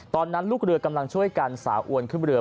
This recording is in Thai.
ตอนนั้นลูกเรือกำลังช่วยกันสาอวนขึ้นเรือ